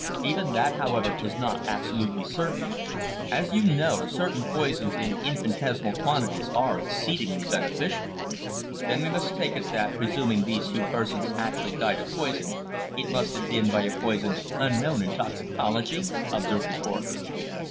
Even that, however, is not absolutely certain. As you know, certain poisons in infinitesimal quantities are exceedingly beneficial." "Then we must take it that, presuming these two persons actually died of poison, it must have been by a poison unknown in toxicology?" observed the Coroner.